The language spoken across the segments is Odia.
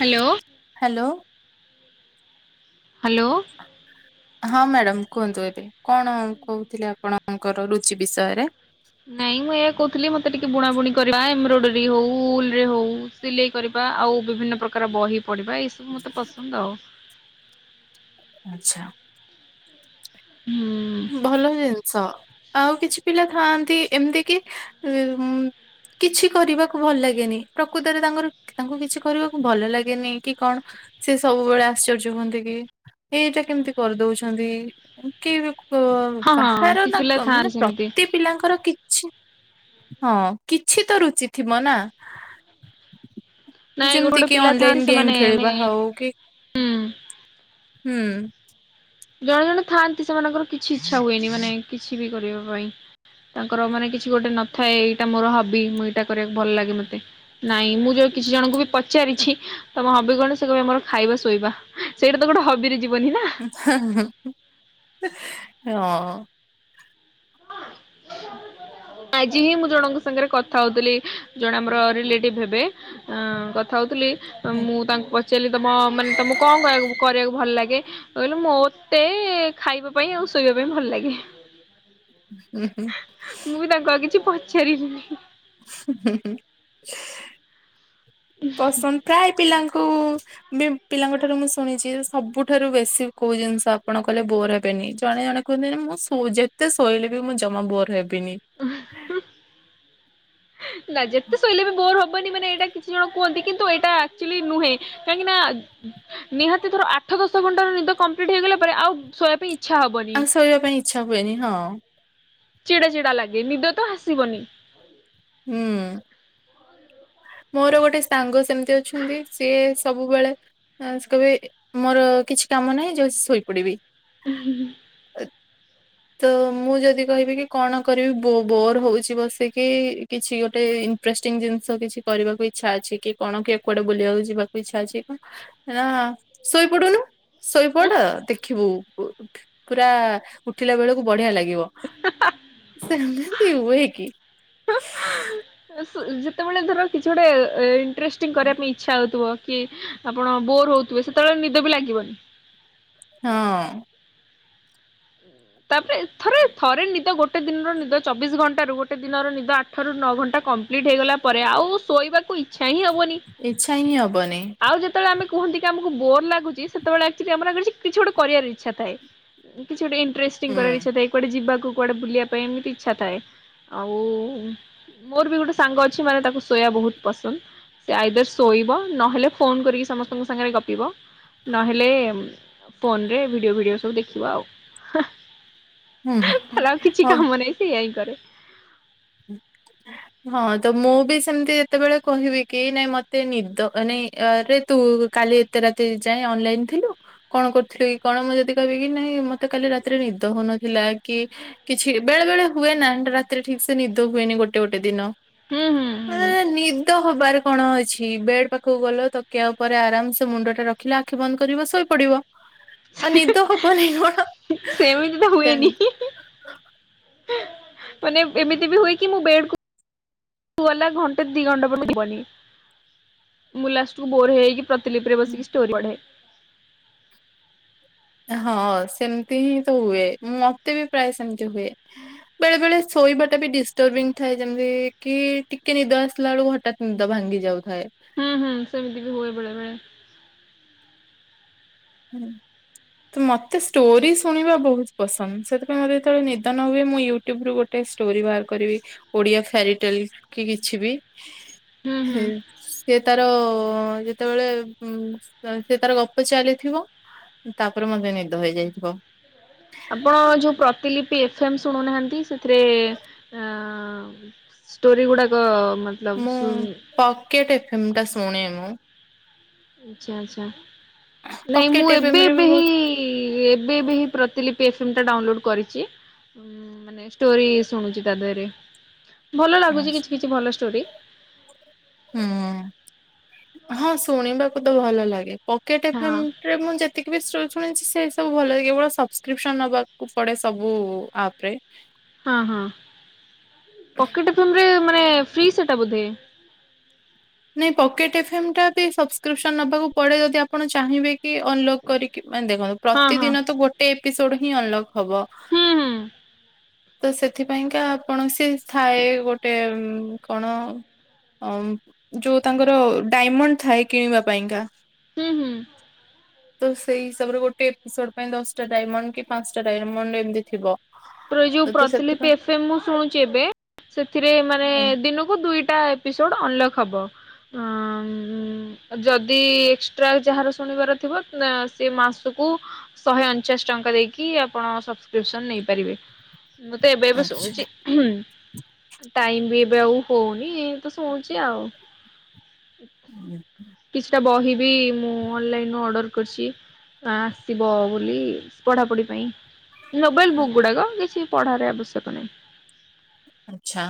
ହ୍ୟାଲୋ। ହ୍ୟାଲୋ। ହ୍ୟାଲୋ। ହଁ ମ୍ୟାଡ଼ାମ କୁହନ୍ତୁ ଏବେ କଣ କହୁଥିଲେ ଆପଣ ତାଙ୍କର ରୁଚି ବିଷୟରେ ନାଇଁ ମୁଁ ଏୟା କହୁଥିଲି ମତେ ଟିକେ ବୁଣା ବୁଣି କରିବା ଏମରୋଡୋରୀ ହଉ ଉଲ ରେ ହଉ ସିଲେଇ କରିବା ଆଉ ବିଭିନ୍ନ ପ୍ରକାର ବହି ପଢ଼ିବା ଏଇସବୁ ମୋତେ ପସନ୍ଦ ଆଉ। ଆଚ୍ଛା। ହୁଁ। ଭଲ ଜିନିଷ ଆଉ କିଛି ପିଲା ଥାଆନ୍ତି ଏମିତି କିି ଉ କିଛି କରିବାକୁ ଭଲ ଲାଗେନି ପ୍ରକୃତରେ ତାଙ୍କର ତାଙ୍କୁ କିଛି କରିବାକୁ ଭଲ ଲାଗେନି କି କଣ ସେ ସବୁବେଳେ ଆଶ୍ଚର୍ଯ୍ୟ କୁହନ୍ତି କି ଏଇଟା କେମିତି କରିଦଉଛନ୍ତି କି ବୋ ହଁ ହଁ କାହାର କିଛି ନା ପିଲା କ ଥାଆନ୍ତି ମାନେ ସେମିତି ପ୍ରତି ପିଲାଙ୍କର କିଛି ହଁ କିଛି ତ ରୁଚି ଥିବ ନା ନାଇଁ ଗୋଟେ ଯେମିତି ଗୋଟେ କି ପିଲା ଥାଆନ୍ତି ଅନଲାଇନ ଗେମ୍ ସେମାନେ ମାନେ ଖେଳିବା ହଉ କି ହୁଁ। ହୁଁ। ଜଣେ ଜଣେ ଥାଆନ୍ତି ସେମାନଙ୍କର କିଛି ଇଚ୍ଛା ହୁଏନି ମାନେ କିଛି ବି କରିବା ପାଇଁ ତାଙ୍କର ମାନେ କିଛି ଗୋଟେ ନଥାଏ ଏଇଟା ମୋର ହବି ମୁଁ ଏଟା କରିବାକୁ ଭଲ ଲାଗେ ମତେ ନାଇଁ ମୁଁ ଯୋଉ କିଛି ଜଣଙ୍କୁ ବି ପଚାରିଛି ତମ ହବି କଣ ସେ କହିବେ ମୋର ଖାଇବା ଶୋଇବା ସେଇଟା ତ ଗୋଟେ ହବିରେ ଯିବନି ନା ହଁ। ହ ଆଜି ହିଁ ମୁଁ ଜଣଙ୍କ ସାଙ୍ଗରେ କଥା ହଉଥିଲି ଜଣେ ଆମର ରିଲେଟିଭ ହେବେ ଅ କଥା ହଉଥିଲି ଆଜ୍ଞା। ମୁଁ ତାଙ୍କୁ ପ ଚାର୍ଲି ତମ ମାନେ ତମକୁ କଣ କରିବା କରିବାକୁ ଭଲ ଲାଗେ କହିଲେ ମତେ ଖାଇବା ପାଇଁ ଆଉ ଶୋଇବା ପାଇଁ ଭଲ ଲାଗେ। ହ। ମୁଁ ବି ତାଙ୍କୁ ଆଉ କିଛି ପଚାରିଲିନି ହୁ ହୁ ପସନ୍ଦ ପ୍ରାୟ ପିଲାଙ୍କୁ ବି ପିଲାଙ୍କ ଠାରୁ ମୁଁ ଶୁଣିଛି ସବୁଠାରୁ ବେଶି କୋଉ ଜିନିଷ ଆପଣ କହିଲେ ବୋର ହେବେନି ଜଣେ ଜଣେ କୁହନ୍ତି ନା ମୁଁ ସୋ ଯେତେ ଶୋଇଲେ ବି ମୁଁ ଜମା ବୋର ହେବିନି ହ ନା ଯେତେ ଶୋଇଲେ ବି ବୋର ହବ ନି ମାନେ ଏଇଟା କିଛି ଜଣ କୁହନ୍ତି କିନ୍ତୁ ଏଇଟା ଆଚୁ ଆଲି ନୁହେଁ କାହିଁକି ନା ନିହାତି ଥର ଆଠ ଦଶ ଘଣ୍ଟାର ନିଦ କମ୍ପ୍ଲିଟ୍ ହେଇଗଲା ପରେ ଆଉ ଶୋଇବା ପାଇଁ ଇଚ୍ଛା ହବନି। ଆଉ ଶୋଇବା ପାଇଁ ଇଚ୍ଛା ହୁଏନି ହଁ ଚିଡା ଚିଡା ଲାଗେ ନିଦ ତ ହାସିବନି ହୁଁ ମୋର ଗୋଟେ ସାଙ୍ଗ ସେମିତି ଅଛନ୍ତି ସିଏ ସବୁବେଳେ ଆଉ ସେ କହିବେ ମୋର କିଛି କାମ ନାହିଁ ଯୋଉ ଶୋଇପଡିବି ହୁଁଁ ହୁ ହୁ ତ ମୁଁ ଯଦି କହିବି କି କଣ କରିବି ବୋ ବୋର ହଉଛି ବସିକି କିଛି ଗୋଟେ ଏ ଇ ଇଣ୍ଟରଷ୍ଟିଙ୍ଗ ଜିନିଷ କିଛି କରିବାକୁ ଇଛା ଅଛି କି କଣ କି କୁଆଡେ ବୁଲିବାକୁ ଯିବାକୁ ଇଛା ଅଛି କଣ [unintelligible] ଶୋଇପଡୁନୁ ଶୋଇପଡ ଦେଖିବୁ ପୁ ପୁରା ଉଠିଲା ବେଳକୁ ବଢିଆ ଲାଗିବ ସେମୀତି ହୁଏ କି ଇ ସେ ଯେତେବେଳେ ଧର କିଛି ଗୋଟେ ଇଣ୍ଟଷ୍ଟିଂ କରିବା ପାଇଁ ଇଚ୍ଛା ହଉଥିବ କି ଆପଣ ବୋର ହଉଥିବେ ସେତେବେଳେ ନିଦ ବି ଲାଗିବନି ହଁ ତାପରେ ଥରେ ଥରେ ନିଦ ଗୋଟେ ଦିନର ନିଦ ଚବିଶ ଘଣ୍ଟାରୁ ଗୋଟେ ଦିନର ନିଦ ଆ ଠରୁ ନଅ ଘଣ୍ଟା କମ୍ପ୍ଲିଟ୍ ହେଇଗଲା ପରେ ଆଉ ଶୋଇବାକୁ ଇ ଛା ହିଁ ହବନି ଇଚ୍ଛା ହିଁ ହବନି ଆଉ ଯେତେ ଯେତେବେଳେ ଆମ କୁହନ୍ତି କି ଆମକୁ ବୋର ଲାଗୁଛି ସେତେବେଳେ ଆକ୍ଚଲି ଆମର କିଛି ଗୋଟେ କରିବା ଇଛା ଥାଏ କିଛି ଗୋଟେ ଇଣ୍ଟଷ୍ଂ ହୁଁ କରିବାର ଇଚ୍ଛା ଥାଏ କୁଆଡେ ଯିବାକୁ କୁଆଡେ ବୁଲିବା ପାଇଁ ଏମିତି ଇଚ୍ଛା ଥାଏ ଆଉ ମୋର ବି ଗୋଟେ ସାଙ୍ଗ ଅଛି ମାନେ ତାକୁ ଶୋୟା ବହୁତ ପସନ୍ଦ ସେ ଆଇଦର ଶୋଇବ ନହେଲେ ଫୋନ କରିକି ସମସ୍ତଙ୍କ ସାଙ୍ଗରେ ଗପିବ ନହେଲେ ଫୋନରେ ଭିଡିଓ ଭିଡିଓ ସବୁ ଦେଖିବା ଆଉ ହୁଁ ହେଲେ ଆଉ କିଛି ହଁ କାମ ନାହିଁ ସେଇୟା ହିଁ କରେ ହୁଁ ହଁ ତ ମୁଁ ବି ସେମିତି ଯେତେବେଳେ କହିବି କି ନାଇଁ ମତେ ନିଦ ଏ ନାଇରେ ତୁ କାଲି ଏତେ ରାତି ଯାଏ ଅନଲାଇନ ଥିଲୁ କଣ କରୁଥିଲି କି କଣ ମୁଁ ଯଦି କହିବି କି ନାଇଁ ମତେ କାଲି ରାତିରେ ନିଦ ହଉନଥିଲା କି କିଛି ବେଳେ ବେଳେ ହୁଏ ନା ରାତିରେ ଠିକ ଏ ନିଦ ହୁଏନି ଗୋଟେ ଗୋଟେ ଦିନ ହୁଁ ହୁଁ ହୁଁ ମତେ ତ ନିଦ ହବାର କଣ ଅଛି ବେଡ ପାଖକୁ ଗଲ ତକିଆ ଉପରେ ଆରାମସ ମୁଣ୍ଡ ଟା ରଖିଲ ଆଖି ବନ୍ଦ କରିବ ଶୋଇପଡିବ। ଆ ନିଦ ହବନେଇ କଣ ସେମିତି ତ ସେ ହୁଏନି। ମାନେ ଏମିତି ବି ହୁଏ କି ମୁଁ ବେଡ କୁ ଗଲା ଘଣ୍ଟେ ଦି ଘଣ୍ଟା ପିବନି ମୁଲାଷ୍ଟେ କୁ ବୋର ହେଇକି ପ୍ରତିଲିପରେ ବସିକି ଷ୍ଟୋରି ପଢେ ହଁ ସେମିତି ହିଁ ତ ହୁଏ ମତେ ବି ପ୍ରାୟ ସେମିତି ହୁଏ ବେଳେ ବେଳେ ଶୋଇବାଟା ବି ଡିଷ୍ଟର୍ବିଂ ଥାଏ ଯେମିତି କି ଟିକେ ନିଦ ଆସିଲା ବେଳକୁ ହଠାତ୍ ନିଦ ଭାଙ୍ଗି ଯାଉଥାଏ ହୁଁ ହୁଁ ସେମିତି ବି ହୁଏ ବେଳେ ବେଳେ ହୁଁ ତ ମତେ ଷ୍ଟୋରି ଶୁଣିବା ବହୁତ ପସନ୍ଦ ସେଥିପାଇଁ ମତେ ଯେତେବେଳେ ନିଦନ ହୁଏ ମୁଁ ୟୁଟ୍ୟୁବ ରୁ ଗୋଟେ ଗୋଟେ ଷ୍ଟୋରି ବାହାର କରିବି ଓଡିଆ ଫୋରିଟେଲ କି କିଛି ବି ହୁଁ ହୁଁ। ହେ ସେ ତାର ଯେତେବେଳେ ଉ ସେ ତାର ଗପ ଚାଲି ଥିବ, ତାପରେ ମଧ୍ୟ ନିଦ ହେଇଯାଇଥିବ। ଆପଣ ଯେଉଁ ପ୍ରତିଲିିପି ଏଫ୍ ଏମ୍ ଶୁଣୁନାହାନ୍ତି ସେଥିରେ ଷ୍ଟୋରି ଗୁଡାକ ମତେ ମୁଁ ଲାଗୁଚି - ପକେଟ ଏଫିମ୍ ଟା ଶୁଣେ ମୁଁ ଆଛା ଆଛା, ନାଇଁ ମୁଁ ପକେଟ ଏଫଏମ ଏବେ ରେ ବି ଏବେ ବହୁତ ହିଁ ଏବେବେ ହିଁ ପ୍ରତିଲିିପି ଏଫ ଏମ୍ ଟା ଡାଉନଲୋଡ କରିଛି। ମାନେ ଷ୍ଟୋରି ଶୁଣୁଛି ତା ଦେହରେ, ଭଲ ଲାଗୁଛି ଆଚ୍ଛା, କିଛି କିଛି ଭଲ ଷ୍ଟୋରି ହୁଁ ହଁ ଶୁଣିବାକୁ ତ ଭଲ ଲାଗେ, ପକେଟ ହଁ ଏଫ ଏମ ରେ ମୁଁ ଯେ କ ବି ଶୁଣିଛି ସେ ସବୁ ଭଲ କେବଳ ସବସ୍କ୍ରିପସନ ନବାକୁ ପଡେ ସବୁ ଆପ ରେ ହଁ ହଁ ପକେଟ ଏଫ ଏମ ରେ ମାନେ ଫ୍ରି ସେଟା ବୋଧେ ନାଇଁ ପକେଟ୍ ଏଫ୍ ଏମ୍ ଟା ବି ସବସ୍କ୍ରିପସନ ନବାକୁ ପଡେ ଯଦି ଆପଣ ଚାହିଁବେ? କି ଅନଲକ୍ କରିକି ମାନେ ଦେଖନ୍ତୁ ହଁ ହଁ ପ୍ରତିଦିନ ତ ଗୋଟେ ଏପିସୋଡ ହିଁ ଅନଲକ୍? ହବ ହୁଁ ହୁଁ ତ ସେଥିପାଇଁକା କୌଣସି ଥାଏ ଗୋଟେ କଣ ଅ? ଯୋଉ ତାଙ୍କର ଡାଇମଣ୍ଡ ଥାଏ କିଣିବା ପାଇଁକା? ହୁଁ ହୁଁ? [inaudible] ତ ସେଇ ହିସାବରେ ଗୋଟେ ଏପିସୋଡ ପାଇଁ ଦଶଟା ଡାଇମଣ୍ଡ କି ପାଞ୍ଚଟା ଡାଇମଣ୍ଡ ଏମିତି ଥିବ। ଯୋଉ ତ ପ୍ରତିିପ ସେଥିପାଇଁ ଏ ମୁଁ ଶୁଣୁଛି ଏବେ, ସେଥିରେ ମାନେ ଏ ଦିନକୁ ଦୁଇ ଦୁଇଟା ଏପିସୋଡ ଅନଲକ୍ ହବ ଉ ଯଦି ଏକ୍ସଟ୍ରା ଯାହାର ଶୁଣିବାର ଥିବ ସେ ମାସକୁ ଶହେ ଅଣଚାଶ ଟଙ୍କା ଦେଇକି, ଆପଣ ସବସ୍କ୍ରିପସନ ନେଇପାରିବେ। ମୁଁ ତ ଏବେଏବେ ଆଚ୍ଛା ଶୁଣୁଛି। ଟାଇମ ବି ଏବେ ଆଉ ହଉନି ତ ଶୁଣୁଛି ଆଉ [unintelligible] କିଛିଟା ବହିିବି ମୁଁ ଅନଲାଇନୁ ଅର୍ଡର କରିଛି। ନା ଆସିବ ବୋଲି, ପଢାପଢି ପାଇଁ। ନୋବେଲ ବୁକ୍ ଗୁଡାକ, କିଛି ପଢାରେ ଆବଶ୍ୟକ ନାହିଁ। ଆଛା।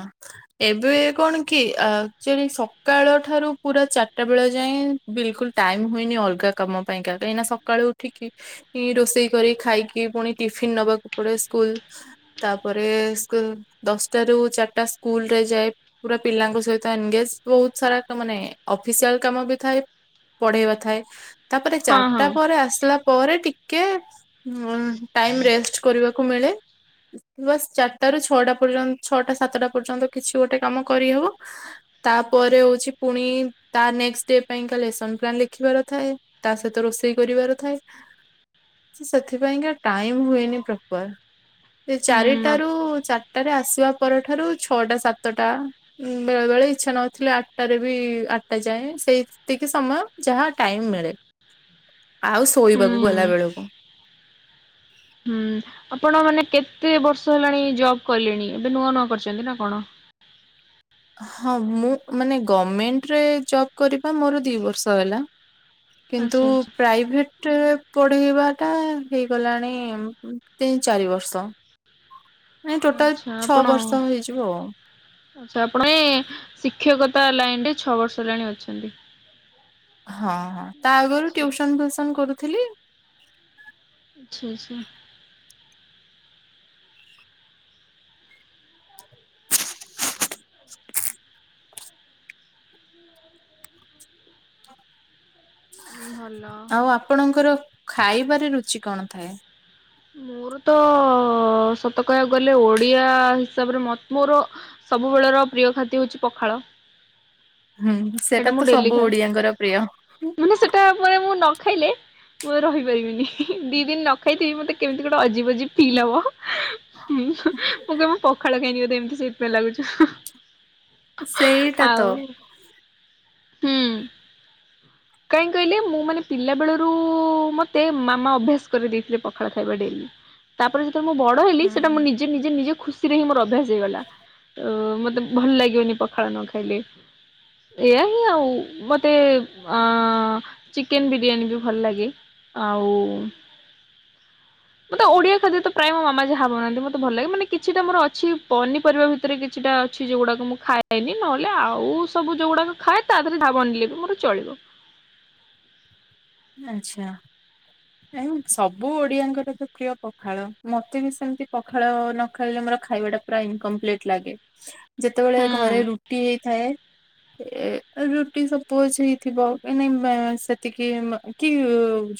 ଏବେ କଣ କି, ଆକଚୋଲି ସକାଳ ଠାରୁ ପୁରା ଚାରିଟା ବେଳ ଯାଏ। ବିଲକୁଲ ଟାଇମ ହୁଏନି ଅଲଗା କାମ ପାଇଁ କ, କାହିଁକିନା ସକାଳୁ ଉଠିକି ରୋଷେଇ କରି ଖାଇକି, ପୁଣି ଟିଫିନ ନବାକୁ ପଡେ ସ୍କୁଲ ତାପରେ ଦଶଟା ରୁ ଚାରିଟା ସ୍କୁଲ ରେ ଯାଏ। ପୁରା ପିଲାଙ୍କ ସହିତ ଏନଗେଜ ବହୁତ ସାରା ମାନେ ଅଫିସିଆଲ କାମ ବି ଥାଏ। ପଢେଇବା ଥାଏ, ତାପରେ ହଁ ଚାରିଟା ହଁ ପରେ ଆସିଲା ପରେ ଟିକେ ଟାଇମ ରେଷ୍ଟ କରିବାକୁ ମିଳେ, ବାସ୍ ଚାରି ଟାରୁ ଛଅଟା ପର୍ଯ୍ୟନ୍ତ ଛଅଟା ସାତଟା ପର୍ଯ୍ୟନ୍ତ କିଛି ଗୋଟେ କାମ କରିହେବ। ତାପରେ ହଉଛି ପୁଣି ତା ନେକ୍ସଟ ଡେ ପାଇଁକା ଲେସନ ପ୍ଲାନ୍ ଲେଖିବାର ଥାଏ। ତା ସହିତ ରୋଷେଇ କରିବାର ଥାଏ। ସେଥିପାଇଁକା ଟାଇମ ହୁଏନି ପ୍ରପର ହୁଁ ଚାରିଟାରୁ, ଚାରିଟାରେ ଆସିବା ପରଠାରୁ ଛଅଟା ସାତଟା ବେଳେ ବେଳେ ଇଛା ନଉଥିଲେ ଆଠଟାରେ ବି, ଆଠଟା ଯାଏ ସେଇତିକି ସମୟ ଯାହା ଟାଇମ ମିଳେ। ଆଉ ଶୋଇବାକୁ ହୁଁ ଗଲା ବେଳକୁ ହୁଁ ଆପଣ ମାନେ କେତେ ବର୍ଷ ହେଲାଣି ଜବ୍ କଲେଣି ଏବେ ନୂଆ ନୂଆ କରିଛନ୍ତି ନା କଣ? ହଁ ମୁଁ ମାନେ ଗଭମେଣ୍ଟରେ ଜବ କରିବା ମୋର ଦି ବର୍ଷ ହେଲା। କିନ୍ତୁ ଆଚ୍ଛା ଆଚ୍ଛା ପ୍ରାଇଭେଟ ଟ ପଢ଼େଇବାଟା ହେଇଗଲାଣି ତିନି ଚାରି ବର୍ଷ। ମାନେ ଟୋଟାଲ ଆଚ୍ଛା ଛଅ ବର୍ଷ ହେଇଯିବ ଆଉ ଆଛା ଆପଣ ଶିକ୍ଷକତା ଲାଇନ ରେ ଛଅ ବର୍ଷ ହେଲାଣି ଅଛନ୍ତି। ହଁ ହଁ ତା ଆଗରୁ ଟୁସନ ଫ୍ୟୁସନ କରୁଥିଲି। ଆଚ୍ଛା ଆଚ୍ଛା। ଭଲ ଆଉ ଆପଣଙ୍କର ଖାଇବାରେ ରୁଚି କଣ ଥାଏ? ମୋର ତ ସତ କହିବାକୁ ଗଲେ ଓଡିଆ ହିସାବରେ ମ ମୋର ସବୁବେଳର ପ୍ରିୟ ଖାଦ୍ୟ ହଉଛି ପଖାଳ। ହୁଁ ସେଇଟା ସେଟା ମୁଁ ତ ଡେଲି ସବୁ ଖାଏ ଓଡିଆଙ୍କର ପ୍ରିୟ। ମାନେ ସେଟା ମନେ ମୁଁ ନ ଖାଇଲେ ମୁଁ ରହିପାରିବିନି ଦି ଦିନ ନ ଖାଇଥିବି ମତେ କେମିତି ଗୋଟେ ଅଜିବ ଅଜିବ ଫିଲ୍ ହବ ମୁଁ [unintelligible] ପଖାଳ ଖାଇକି ବୋଧେ ଏମିତି ସେ ଲାଗୁଛ ସେଇଟା ତ ଆଉ ହୁଁ। କାଇ କହିଲେ ମୁଁ ମାନେ ପିଲା ବେଳରୁ ମତେ ମାମା ଅଭ୍ୟାସ କରିଦେଇଥିଲେ ପଖାଳ ଖାଇବା ଡେଲି। ତାପରେ ଯେତେବେଳେ ମୁଁ ବଡ ହେଲି ସେଇଟା ହୁଁ ମୁଁ ନିଜେ ନିଜେ ନିଜେ ଖୁସି ରେ ହିଁ ମୋର ଅଭ୍ୟାସ ହେଇଗଲା। ଅ ମତେ ଭଲ ଲାଗେନି ପଖାଳ ନ ଖାଇଲେ। ଏଇଆ ହିଁ ଆଉ ମତେ ଅ ଚିକେନ ବିରିୟାନୀ ବି ଭଲ ଲାଗେ ଆଉ ମତେ ଓଡିଆ ଖାଦ୍ୟ ତ ପ୍ରାୟ ମୋ ମାମା ଯହାବନାନ୍ତି ମତେ ଭଲ ଲାଗେ ମାନେ କିଛିଟା ମୋର ଅଛି ପିନିପରିବା ଭିତରେ ଭିତରେ କିଛିଟା ଅଛି ଯଉଗୁଡାକ ମୁଁ ଖାଏନି ନହେଲେ ଆଉ ସବୁ ଯୋଉଗୁଡାକ ଖାଏ ତା ଦେହରେ ଧା ବନିଲେ ବି ମୋର ଚଳିବ। ଆଚ୍ଛା। ସବୁ ଓଡିଆଙ୍କର ତ ପ୍ରିୟ ପଖାଳ ମତେ ବି ସେମତି ପଖାଳ ନ ଖାଇଲେ ମୋର ଖାଇବା ଟା ପୁରା ଇନକମ୍ପ୍ଲିଟ ଲାଗେ ଯେତେବେଳେ ହୁଁ ଘରେ ରୁଟି ହେଇଥାଏ ଏ ରୁଟି ସପୋଜ ହେଇଥିବା କାହିଁକି କୁନ୍ ନା ସେତିକି [unintelligible] କି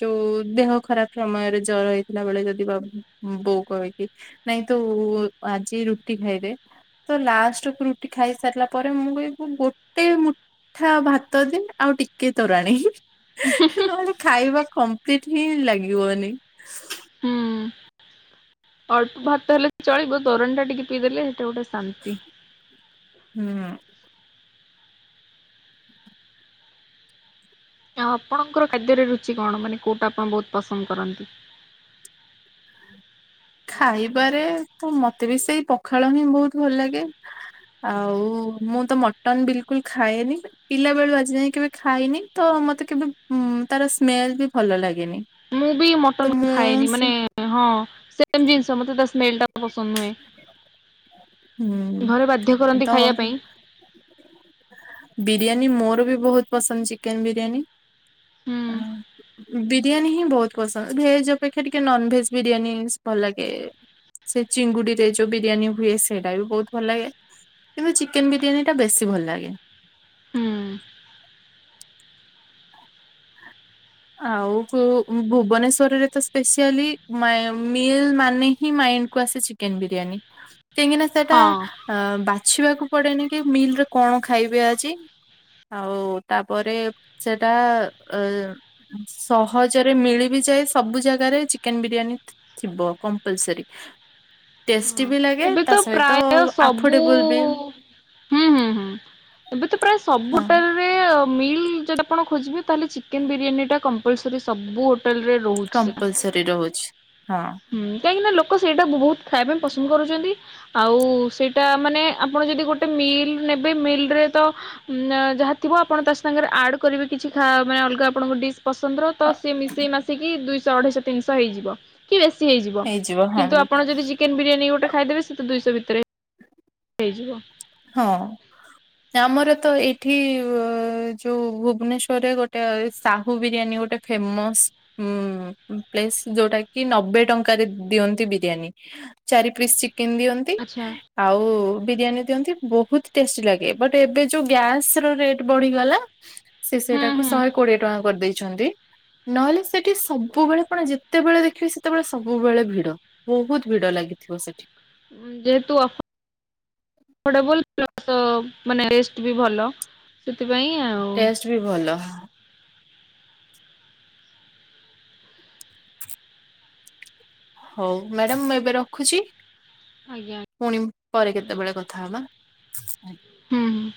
ଯୋଉ ଦେହ ଖରାପ ସମୟରେ ଜର ହେଇଥିଲା ବେଳେ ଯଦି ବା ବଉ କହିକି ନାଇଁ ତ ଆଜି ରୁଟି ଖାଇଦେ ତ ଲାଷ୍ଟ କୁ ରୁଟି ଖାଇ ସାରିଲା ପରେ ମୁଁ ବି ଗୋଟେ ମୁଠା ଭାତ ଦିନ ଆଉ ଟିକେ ତୋରାଣି। [unintelligible] ନହେଲେ ଖାଇବା କମ୍ପ୍ଲିଟ ହିଁ ଲାଗିବନି। ହୁଁ ଅଳ୍ପ ଭାତ ହେଲେ ଚଳିବ ତୋରାଣି ଟା ଟିକେ ପିଇଦେଲେ ସେଇଟା ଗୋଟେ ଶାନ୍ତି। ହୁଁ। ଆପଣଙ୍କର ଖାଦ୍ୟରେ ରୁଚି କଣ ମାନେ କୋଉଟା ଆପଣ ବହୁତ ପସନ୍ଦ କରନ୍ତି? ଖାଇବାରେ ତ ମତେ ବି ସେଇ ପଖାଳ ହିଁ ବହୁତ ଭଲ ଲାଗେ। ଆଉ ମୁଁ ତ ମଟନ ବିଲକୁଲ ଖାଏନି। ପିଲା ବେଳୁ ଆଜି ଯାଇ କେବେ ଖାଇନି ତ ମତେ କେବେ ତାର ସ୍ମେଲ ବି ଭଲ ଲାଗେନି। ମୁଁ ବି ତ ମଟନ୍ ମୁଁ ଖାଏନି ସେ ମାନେ ହଁ ସେ ଜିନିଷ ମତେ ସ୍ମେଲ ଟା ପସନ୍ଦ ନୁହେଁ। ହୁଁ ଘରେ ବାଧ୍ୟ ତ କରନ୍ତି ଖାଇବା ପାଇଁ। ବିରିୟାନୀ ମୋର ବି ବହୁତ ପସନ୍ଦ ଚିକେନ ବିରିୟାନୀ। ହୁଁ। ବିରିୟାନୀ ହିଁ ବହୁତ ପସନ୍ଦ ଭେଜ ଅପେକ୍ଷା ଟିକେ ନନ ଭେଜ ବିରିୟାନୀ ଭଲ ଲାଗେ। ଚିଙ୍ଗୁଡି ରେ ଯୋଉ ବିରିୟାନୀ ହୁଏ ସେଇଟା ବି ବହୁତ ଭଲ ଲାଗେ। କିନ୍ତୁ ଚିକେନ ବିରିୟାନୀଟା ବେଶୀ ଭଲ ଲାଗେ। ହୁଁ ଆଉ ଭୁ ଭୁବନେଶ୍ଵରରେ ତ ସ୍ପେସିଆଲି ମେ ମିଲ ମାନେ ହିଁ ମାଇଣ୍ଡ କୁ ଆସେ ଚିକ ଚିକେନ ବିରିୟାନୀ କାହିଁକି ନା ସେଟା ହଁ। ଅ ବାଛିବାକୁ ପଡେନି କି ମିଲରେ କଣ ଖାଇବେ ଆଜି? ଆଉ ତାପରେ ସେଟା ଅ ସହଜରେ ମିଳିବି ଯାଏ ସବୁ ଜାଗାରେ ଚିକେନ ବିରିୟାନୀ। ଥିବ କମ୍ପଲସରି। ହଁ ଏବେ ତ ପ୍ରାୟ ସବୁ ଆଫୋର୍ଡେବଲ ବି ହୁଁ ହୁଁ ହୁଁ ଏବେ ତ ପ୍ରାୟ ସବୁ ହଁ ଟା ସେ ମିଲ ଟା ଯଦି ଆପଣ ଖୋଜିବେ ତାହେଲେ ଚିକେନ ବିରିୟାନୀ ଟା କମ୍ପଲସରି ସବୁ ହୋଟେଲରେ ରହୁଛି ସେଟା କମ୍ପଲସରି ରହୁଛି ହଁ। ହୁଁ। କାହିଁକି ନା ଲୋକ ସେଇଟା ବହୁତ ଖାଇବା ପସନ୍ଦ କରୁଛନ୍ତି। ଆଉ ସେଇଟା ମାନେ ଆପଣ ଯଦି ଗୋଟେ ମିଲ୍ ନେବେ ମିଲରେ ତ ନା ଯାହା ଥିବ ଆପଣ ତା ସାଙ୍ଗରେ ଆଡ କରିବେ। କିଛି ଖାଇବା ପାଇଁ ଅଲଗା ଆପଣଙ୍କ ଡିସ୍। ପସନ୍ଦର ତ ସେ ମିଶେଇ ମାଶିକି ଦୁଇଶହ ଅଢେଇଶହ ତିନିଶହ ହେଇଯିବ। କି ବେଶୀ ହେଇଯିବ। କିନ୍ତୁ ଆପଣ ଯଦି ଚିକେନ ବିରିୟାନୀ ଗୋଟେ ଖାଇଦେବେ ସେତ ଦୁଇଶହ ଭିତରେ ହେଇଯିବ। ହଁ। ଆମର ତ ଏଇଠି ଅ ଯୋଉ ଭୁବନେଶ୍ଵରରେ ଗୋଟେ ସାହୁ ବିରିୟାନୀ ଗୋଟେ ଫେମସ ଉ ପ୍ଲେସ୍ ଯୋଉଟା କି ନବେ ଟଙ୍କାରେ ଦିଅନ୍ତି ବିରିୟାନୀ। ଚାରି ପିସ୍ ଚିକେନ୍ ଦିଅ ଆଚ୍ଛା। ଆଉ ବିରିୟାନୀ ଦିଅନ୍ତି। ବହୁତ ଟେଷ୍ଟି ଲାଗେ। ବଟ ଏବେ ଯୋଉ ଗ୍ୟାସ୍ ର ରେଟ୍ ବଢିଗଲା। ସେ ହୁଁ ସେଇଟାକୁ ହୁଁ। ଶହେ ଉଁ, କୋଡିଏ ଟଙ୍କା କରିଦେଇଛନ୍ତି। ନହେଲେ ସେଠି ସବୁବେଳେ କଣ ଯେତେବେଳେ ଦେଖିବେ ସେତେବେଳେ ସବୁବେଳେ ଭିଡ। ବହୁତ ଭିଡ ଲାଗିଥିବ ସେଠି। ହୁଁ ଯେହେତୁ ଅଫ ବୁଲ ପ୍ଲସ ମାନେ ଟେଷ୍ଟ ବି ଭଲ ସେଥିପାଇଁ ଆଉ। ଟେଷ୍ଟ ବି ଭଲ। ହଉ ମ୍ୟାଡାମ ମୁଁ ଏବେ ରଖୁଛି। ଆଜ୍ଞା ପୁଣି ପରେ କେତେବେଳେ କଥା ହବା। ଆଜ୍ଞା। ହୁଁ ହୁଁ।